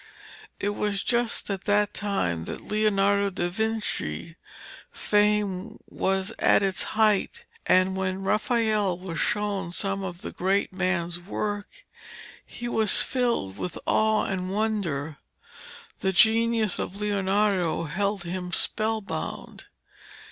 It was just at that time that Leonardo da Vinci's fame was at its height, and when Raphael was shown some of the great man's work, he was filled with awe and wonder. The genius of Leonardo held him spellbound.